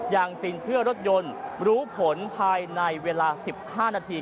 สินเชื่อรถยนต์รู้ผลภายในเวลา๑๕นาที